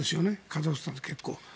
カザフスタンって結構。